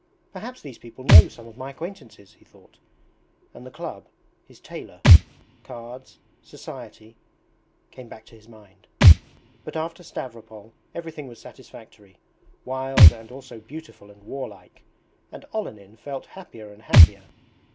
"Perhaps these people know some of my acquaintances," he thought; and the club, his tailor, cards, society ... came back to his mind. But after Stavropol everything was satisfactory wild and also beautiful and warlike, and Olenin felt happier and happier.